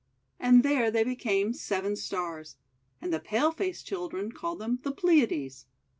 And there they became Seven Stars; and the Paleface Children call them the Pleiades.